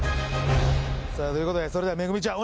さあということでそれではめぐみちゃん